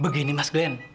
begini mas glen